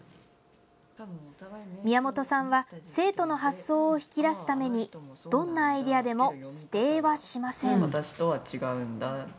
宮本さんは生徒の発想を引き出すためにどんなアイデアでも否定はしません。